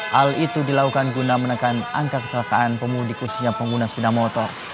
hal itu dilakukan guna menekan angka kecelakaan pemudik khususnya pengguna sepeda motor